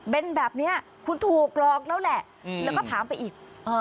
เป็นแบบนี้คุณถูกหลอกแล้วแหละแล้วก็ถามไปอีก